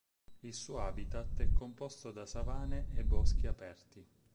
Il suo habitat è composto da savane e boschi aperti.